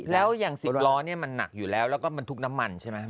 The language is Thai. แล้วอย่าง๑๐ล้อเนี่ยมันหนักอยู่แล้วแล้วก็บรรทุกน้ำมันใช่ไหม